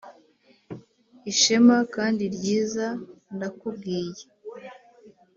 ishema kandi ryiza, ndakubwiye!